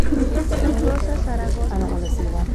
Rosa Zaragoza